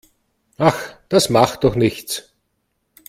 Ach, das macht doch nichts.